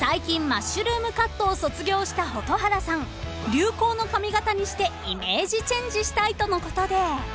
［流行の髪形にしてイメージチェンジしたいとのことで］